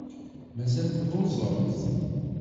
Mazal telluẓemt?